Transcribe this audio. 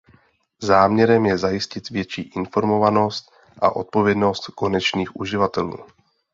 Záměrem je zajistit větší informovanost a odpovědnost konečných uživatelů.